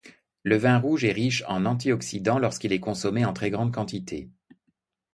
Le vin rouge est riche en antioxydants lorsqu'il est consommé en très grandes quantités.